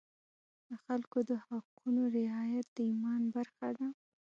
د خلکو د حقونو رعایت د ایمان برخه ده.